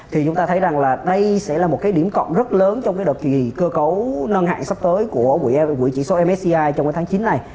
thì chúng ta thấy rằng là đây sẽ là một cái điểm cộng rất lớn trong cái đợt kỳ cơ cấu nâng hạn sắp tới của quỹ chỉ số msci trong cái tháng chín này